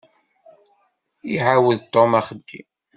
Iɛawed Tom axeddim.